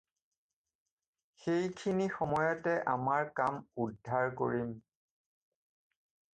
সেই খিনি সময়তে আমাৰ কাম উদ্ধাৰ কৰিম।